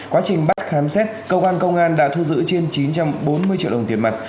quá trình bắt khám xét cơ quan công an đã thu giữ trên chín trăm bốn mươi triệu đồng tiền mặt